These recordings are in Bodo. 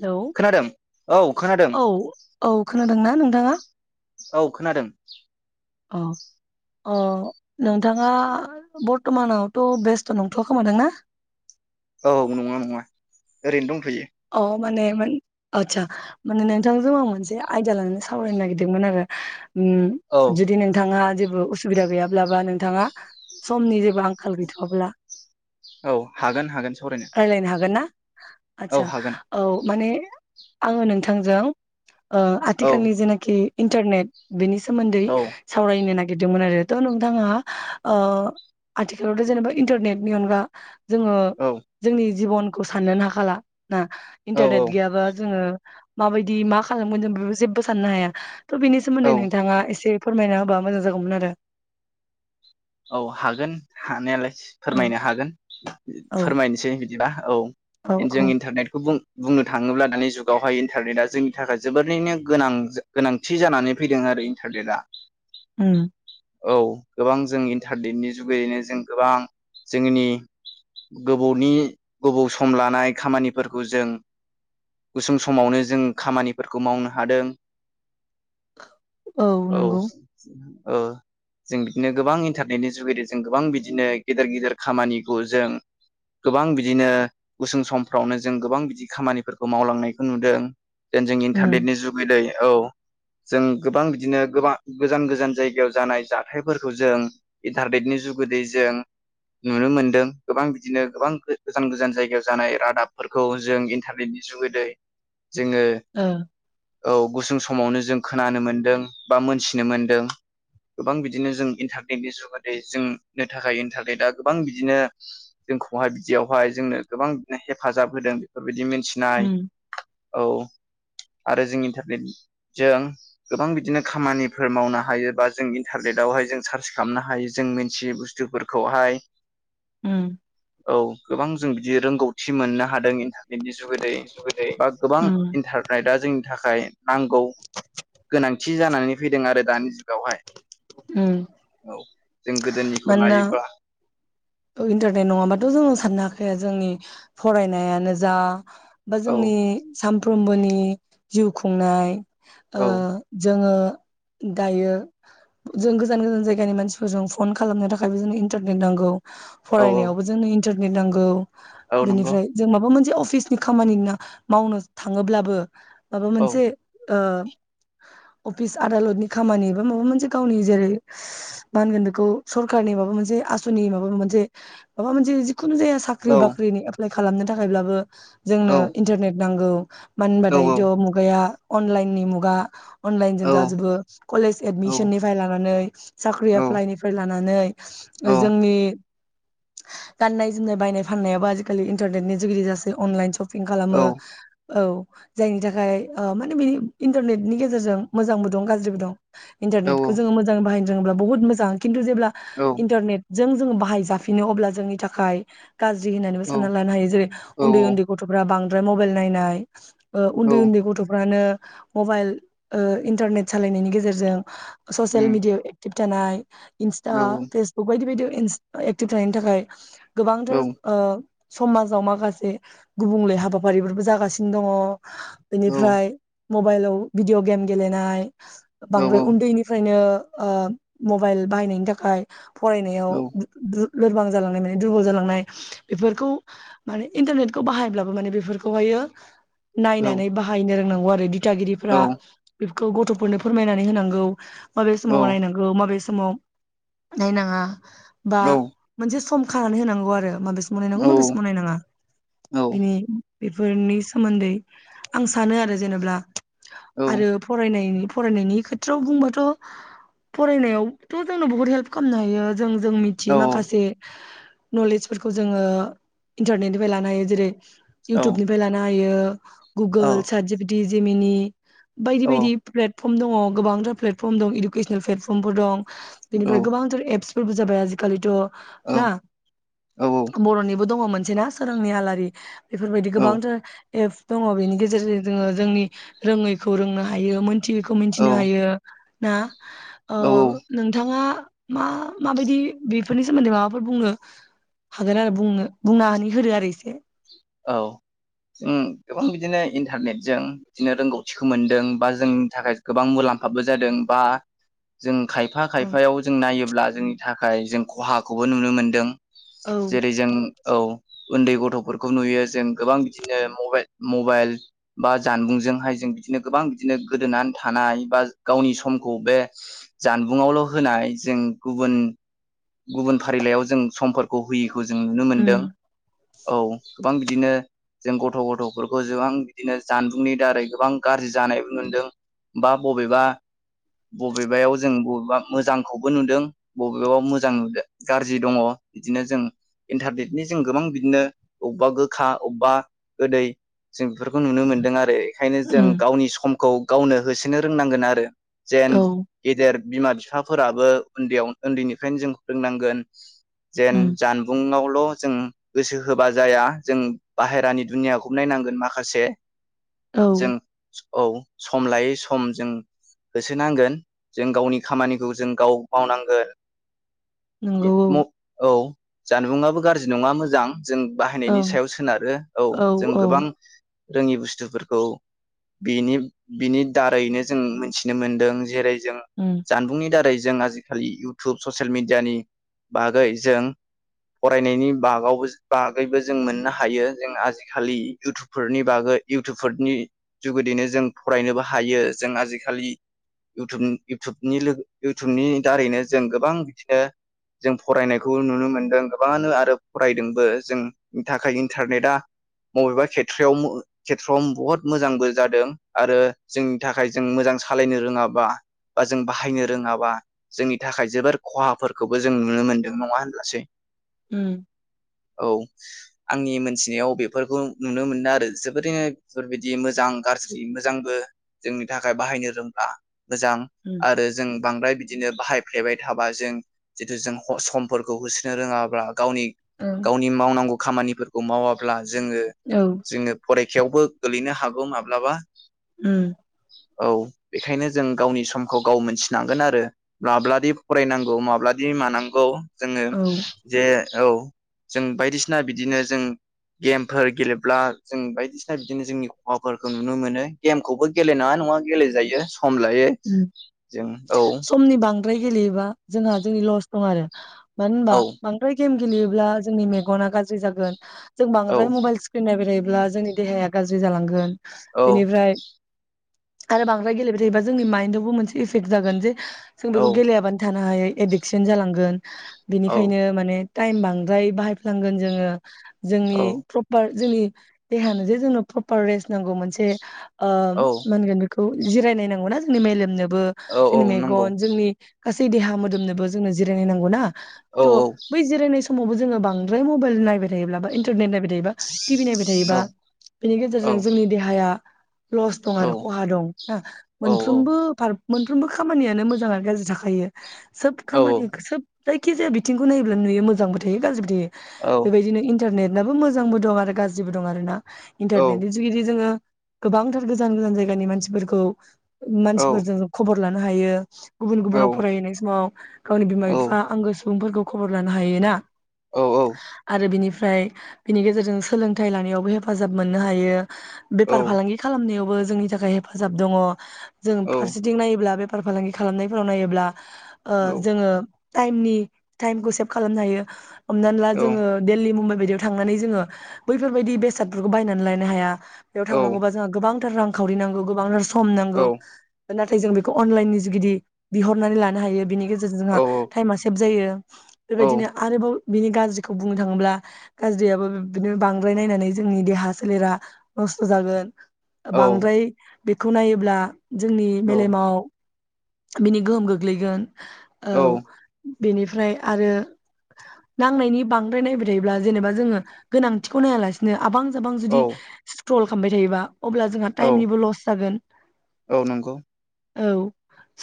हेलौ खोनादों औ खोनादों औ औ खोनादोंना नोंथाङा औ खोनादों। अ अ नोंथाङा बर्थ'मानावथ' बेस्थ' नंथ'आ खोमादां ना? औ नङा नङा ओरैनो दंथ' अ माने मोन आतसा माने नोंथांजों आं मोनसे आयदया लानानै सावरायनो नागिरदोंमोन आरो। ओ औ जुदि नोंथाङा जेबो उस बिदा गैयाब्ला बा नोंथाङा। समनि जे बो आंखाल गैथ'आब्ला औ हागोन हागोन सावरायनो रायलायनो हागोन ना? औ आतसा हागोन औ माने आङो नोंथांजों ओ औ आथिखालनि जेनेखि इन्टारनेट बेनि सो सोमोन्दै औ सावरायनो नागिर नागिरदोंमोन आरो त नोंथाङा‌ ओ आथिखालावथ‌ जेनेबा इन्टारनेटनि अनगा जोङो जोंनि जिबन खौ साननोनो हाखाला ना औ औ इन्टारनेट गैयाबा जोङो माबायदि मा खालामगोन जों बेबो जेबो साननो हाया थ' बिनि औ सोमोन्दै नोंथाङा एसे फोरमायना होबा मोजां जागौमोन आरो। औ हागोन हानायालाय। औ फोरमायनो हागोन। औ फोरमायनोसै बिदिबा औ औ औ जों इन्टारनेटखौ बुं बुंनो थाङोब्ला दानि जुगावहाय इन्टारनेटआ जोंनि थाखाय जोबोरैनो गोनां ज गोनांथि जानानै फैदों आरो इन्टारनेटा। उम। औ गोबां जोंनि इन्टारनेटनि जुगैैनो जों गोबां जोंनि गोबौनि गोबौ सम लानाय खामानिफोरखौ जों गुसुं समावनो जों खामानिफोरखौ मावनो हादों। औ। ओ जों बिदिनो गोबां इ इन्टारनेटनि जुगेदि जों गोबां बिदिनो गेदेर गेदेर खामानिखौ जों गोबां बिदिनो गुसुं समफ्रावनो जों गोबां बिदि खामानिफोरखौ मावलांनायखो‌ नुदों। देन जोंनि उम इन्टारनेटनि जुगै दै। औ जों गोबां बिदिनो गोबां गोजान गोजान जायगायाव जानाय जाथायफोरखौ जों इन्टारनेटनि जुगोदै जों नुनो मोनदों गोबां बिदिनो गोबां गोजान गोजान जायगायाव जानाय रादाबफोरखौ जों इन्टारनेटनि जुगोदै जोङो ओ औ गुसुं समावनो जों खोनानो मोनदों बा मोनथिनो मोनदों गोबां बिदिनो जों इन्टारनेटनि जुग माने जोंनो थाखाय इन्टारनेटआ गोबां बिदिनो जोंखौहाय बिदियावहाय जोंनो गोबां बिनो हेफाजाब होदों बे बेबायदि मिनथिनाय उम औ आरो जों इन्टारनेटजों गोबां बिदिनो खामानिफोर मावनो हायो बा जों इन्टारनेटावहाय जों सार्च खामनो हा हायो जों मिथियै बुस्थुफोरखौहाय उम। औ गोबां जों बिदि रोंगौ थि मोननो हादों इन्टारनेटनि जुगोदै बा गोबां उम इन्टारनेटआ जोंनि थाखाय नांगौ गोनांथि जानानै फैदों आरो दानि जुगावहाय। उम। औ। जों गोदोनिखौ मानोना लायोब्ला ओ इन्टारनेट नङाबाथ' जोङो साननो हा ओ जोंनि फरायनायानो जा बा औ जोंनि साम फ्रोमबोनि जिउ खुंनाय ओ औ जोङो दायो जों गोजान गोजान जायगानि मानसि जों फन खालामनो थाखायबो जोंनो इन्टारनेट नांगौ। औ फरायनायावबो जोंनो इन इन्टारनेट नांगौ। औ नंगौ बेनिफ्राय जों माबा मोन से अफिसनि खामानि मावनो थाङोब्लाबो माबा औ मोनसे ओ अफिस आदालतनि खामानि बा माबा मोनसे गावनि जेरै मा होनगोन बेखौ सरखारनि माबा मोनसे आसनि माबा मोनसे माबा मोनसे खुनु जाया औ साख्रि बाख्रिनि एप्ला खालामनो थाखायब्लाबो औ जोंनो इन्टारनेट नंगौ मानो होनबा औ दायोथ' मुगाया अनलाइननि मुगा अनलाइन जों औ जाजोबो कलेज औ एदमिसननिफाय लानानै साख्रि फ्राय लानानै जोंनि गाननाय जोमनाय बायनाय फाननायाबो आजिखालि इन्टारनेटनि जुगिदि जासै अनलाइन सप पिं खालामो । औ जायनि थाखाय ओ माने बेनि इन्टारनेटनि गेजेरजों मोजांबो दं गाज्रिबो दं । औ इन्टारनेटखौ जोङो मोजां बाहायनो रोङोब्ला बहुद मो जां खिन्थु जेब्ला इन्टारनेट जों जोङो बाहाय जाफिनो अब्ला जोंनि थाखाय गाज्रि होननानैबो सानना लानो हायो जेरै औ उन्दै उन्दै गथ'फोरा बां द्राय मबाइल नायनाय ओ औ उन्दै उन्दै गथ'फ्रानो मबाइल ओ इन्टारनेट सालायनायनि गेजेरजों ससियेल उम मिडियाव एक्टिब जानाय इन्स्टा औ औ फेसबुक बायदि बायदि एक्टिब थानायनि थाखाय औ गोबांथार ओ समाजाव माखासे गुबुंले हाबाफारिफोरबो जागासिनो दङ । औ बेनिफ्राय मबाइलाव भिडिअ गेम गेलेनाय औ औ बांद्राय उन्दैनिफ्रायनो ओ म बाइल बाहायनायनि थाखाय फरायनायाव औ दु-दु लोरबां जालांनाय माने दुरबल जालांनाय बेफोरखौ माने इन्टारनेटखौ बाहायब्लाबो माने बेफोरखौहायो नायनानै बाहायनो रोंनांगौ गौ आरोे औ दिथागिरिफ्रा बेफोर खौ गथ'फोरनो फोरमायनानै होनांगौ माबे औ समाव नायनांगौ मा बे समाव नायनाङा बा औ मोनसे सम खानानै होनांगौ आरो माबे समाव नायनांगौ औ माबे समाव नायनाङा बिनि बेफोरनि सोमोन्दै आं सानो आरो जेनेबा आरो फरायनायनि फरायनायनि खेथ्रआव बुंबाथ' फरायनायाव थ' जोंनो बहुत हेल्प खालामनो हायो जों जों मिथियो माखासे नलेजफोरखौ जोङो इन्टारनेट निफ्राय लानो हायो जेरै औ इउटुबनिफ्राय लाना हायो । गुगोल साटजिफिटि बिदि जिमिनि बायदि बायदि प्लेट फटर्म दङ गोांथार प्लेटर्म दं इडुकेसनेल प्लटफर्मफोर दं। बेनिफ्राय औ गोबांथार एप्स फोरबो जाबाय आजिखालिथ' ना बर'नि दङ' मोनसेना सोरांनि आलारि बेफोरबायदि गोबांथार एप दङ' बेनि गेजेरजों जोङो जोंनि रोङैखौ रोंनो हायो मिथियिखौ मिथिनो हायो । ना? ओ औ नोंथाङा मा माबायदि बेफोरनि सोमोन्दै माबाफोर बुंनो हागोन आरो बुंनो बुंनानै होदो आरो एसे औ गोबां बिदिनो इन्टारनेटजों बिदिनो रोंगौथिखौ मोनदों बा जोंनि थाखाय गोबां मुलाम्फाबो जादों बा जों खायफा ओं खायफायाव जों नायोब्ला अब्ला जोंनि थाखाय जों खहाखौबो नुनो मोनदों औ जेरै जों औ उन्दै गथ'फोर खौ नुयो जों गोबां बिदिनो मबाइल मबाइल बा जानबुंजोंहाय जों बिदिनो गोबां बिदिनो गोदोनानै थानाय बा गावनि समखौ बे जानबुंआवल' होनाय जों गुबुन, गुबुन फारिलाइयाव जों समफोरखौ होयिखौ जों नुनो उम मोन्दों। औ। गोबां बिदिनो जों गथ' गथ'फोरखौ गोबां बिदिनो जानबुंनि दारै गोबां गाज्रि जानायबो नुदों बा बबेबा बबेबायाव जों बबेबा मोजांखौबो नुदों बबेबा मोजां गाज्रि दङ बिदिनो जों इन्टारनेटनि जों गोबां बिदिनो अबेबा गोखा अबेबा गोदै जों बेफोरखौ नुनो मोनदों आरो बेखायनो उम जों गावनि समखौ गावनो होसोनो रोंनांगोन आरो जेन औ गेदेर बिमा बिफाफोराबो उन्दैयाव उन्दैनिफ्रायनो जों फोरोंनांगोन जेन उम जानबुंआवल' जों गोसो होबा जाया जों बाहेरानि दुनियाखौ नायनांगोन माखासे जों औ औ सम लायै सम जों होसोनांगोन जों गावनि खामानिखौ जों गाव मावनांगोन नंगौ औ म औ। जानबुंआबो गाज्रि नङा मोजां जों बाहायनायनि ओं सायाव सोनारो, औ जों गोबां रोङि बुस्थुफोरखौ बिनि बिनि दारैनो जों मिथिनो मोनदों जेरै जों उम जानबुंनि दारै जों आजिखालि इउटुब ससियेल मिडियानि बागै जों फरायनायनि बागावबो बा बागैबो जों मोननो हायो। जों आजिखालि इउटुबफोरनि बागै इउटुबफोरनि जुगेदियैनो जों फरायनोबो हायो जों आजिखालि इउटुब इउटुबनि लोगो इउटुबनि दारैनो जों गोबां बिदिनो जों फरायनायखौ नुनो मोनदों गोबाङानो आरो फरायदोंबो। जों थाखाय इन्टारनेटआ बबेबा खेथ्रआव खेथ्रआव बहुत मोजांबो जादों आरो जोंनि थाखाय जों मोजां सालायनो रोङाबा बा जों बाहायनो रोङाबा जोंनि थाखाय जोबोर खहाफोरखौबो जों नुनो मोनदों, नङा होनब्लासै? उम। औ। आंनि मोनथिनायाव बेफोरखौ नुनो मोनो आरो जोबोरैनो बेफोरबायदि मोजां गाज्रि मोजांबो जोंनि थाखाय बाहायनो रोंब्ला मोजां उम आरो जों बांद्राय बिदिनो बाहायफ्लेबाय थाबा जों जितु जों समफोरखौ होसोनो रोङाब्ला गावनि ओं गावनि मावनांगौ खामानिफोरखौ मावाब्ला जोङो औ जोङो फरेखायावबो गोलैनो हागौ माब्लाबा उम औ बेखायनो जों गावनि समखौ गाव मोनथिनांगोन आरो माब्लादि फरायनांगौ माब्लादि मानांगौ जोङो औ जे औ जों बायदिसिना बायदिसिना बिदिनो जों गेमफोर गेलेब्ला जों बायदिसिना बिदिनो जोंनि खहाफोरखौ नुनो मोनो गेमखौबो गेलेनाङा नङा गेलेजायो। खमलायो उम जों औ समनि बांद्राय गेलेयोबा जोंहा जोंनि लस दं आरो। मानो होनबा औ बांद्राय गेम गेलेयोब्ला जोंनि मेगना गाज्रि जागोन। जों औ बांद्राय माइल स्क्रिन नायबाय अब्ला जोंनि देहाया गाज्रि जालांगोन। बेनिफ्राय आरो बांद्राय गेलेबाय थायोबा जोंनि माइन्डआवबो मोनसे इफेक्ट जागोन जे जों औ बेखौ गेलेयाबानो थान नो हायै एदिकसन जालांगोन। औ बिनिखायनो माने टाइम बांद्राय बाहायफ्लांगोन जोङो जोंनि औ प्रपार जोंनि देहानो जे जोंनो प्रपार रेस्ट नांगौ मोनसे ओ औ मा होनगोन बेखौ जिरायनाय नांगौना मेलेमनो- बो औ औ जोंनि नंगौ मेगन जोंनि गासै देहा मोदोमनोबो जोंनो जिरायनाय नांगौना। औ त बै जिरायनाय समा- समावबो जों बांद्राय मबाइल नायबाय थायोब्लाबो इनटारनेट नायबाय टि भि नायबाय थायोबा औ बेनि औ गेजेरजों जोंनि देहाया लस दं आरो खहा दं । औ मोनफ्रोमबो मोनफ्रोमबो खामानियानो मोजां आरो गाज्रि थाखायो। सोब औ खामानि सोब जायखिजाया बिथिंखौ नायोब्ला नुयो मोजांबो थायो गाज्रिबो थायो। बेबायदिनो [unintelligible] मोजांबो दं आरो गाज्रिबो दं आरोना। इन्टारनेटनि जुगिदि जोङो गोबांथार गोजान गोजान जायगानि मानसिफोरखौ मानसिफोरजों खबर लानो हायो। गुबुन गुबुनाव फरायहैनाय समाव गावनि बिमा बिफा आंगो सुबुंफोरखौ खबर लानो हायोना? औ औ आरो बिनि फ्राय बिनि गेजेरजों सोलोंथाइ लानायावबो हेफाजाब मोननो हायो। बेफार औ फालांगि खालामनायाव बो जोंनि थाखाय हेफाजाब दङ। जों औ फारसेथिं नायोब्ला बे फार फालांगि खालामनायफोराव नायोब्ला ओ औ जोङो टाइमनि टाइमखौ सेभ खालामनो हायो। हमनानै ला औ जोङो देल्लि मुमबाइ बायदियाव थांनानै जोङो बैफोर बायदि बेसादफोरखौ बायनानै लायनो हाया। बेयाव औ थांनांगौबा जोंहा गोबां रांखावरि नांगौ गोबां औ [unintelligible] [unintelligible] नाथाय जों बेखौ अनलाइननि जुगिदि बिहरनानै लानो हायो बिनि गेजे - रजों औ जोंहा टाइमा सेब जायो औ बेबायदिनो आरोबाव बिनि गाज्रिखौ बुंनो थाङोब्ला गाज्रियाबो बिब्दिनो बांद्राय नायनानै जोंनि देहा सोलेरा नस्थ' जागोन बांद्राय बेखौ नायोब्ला जोंनि औ मेलेमाव बिनि गोहोम गोग्लैगोन औ बेनिफ्राय आरो नांनायनि बांद्राय नायबाय थायोब्ला जेनेबा जोङो गोनांथिखौ नायालासिनो आबां जाबां जुदि ट्रल खामबाय थायोबा अब्ला जोंहा औ टाइमनिबो लस जागोन औ नंगौ औ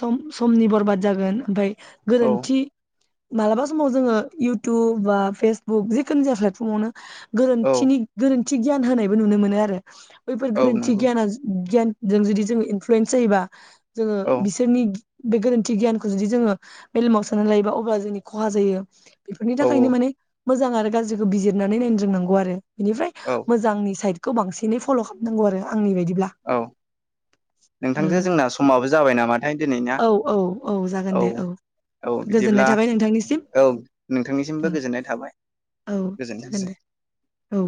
सम-समनि बरबाद जागोन ओमफाय औ गोरोन्थि मालाबा समाव जोङो इयउटुब बा फेसबुक जिखुनु जाया प्लेटफर्मावनो औ गोरोन्थिनि गोरोन थि गियान होनायबो नुनो मोनो आरो। बैफोर औ गोरोनथि नंगौ गियाना ज गियान जों जुदि जों इन फ्लुयेन्स जायोबा जोङो औ बिसोरनि गि बे गोरोन्थि गियानखौ जुदि जोङो मेलेमाव सोनानै लायोबा अब्ला जोंनि खहा जायो बेफोरनि औ थाखायनो माने मोजां आरो गाज्रिखो बिजिरनानै नायनो रोंनांगौ आरो। बिनिफ्राय औ मोजांनि साइद खौ बांसिनै फल' खामनांगौ आरो। आंनि बायदिब्ला [inaudible] थांजो जोंना समाबो जाबाय नामाथाय दिनैना औ औ जागोन औ दे औ गोजोननाय बिदिब्ला थाबाय नोंथांनिसिम औ नोंथांनिसिमबो औ गोजोननाय थाबाय औ जागोन गोजोनथोंसै। दे औ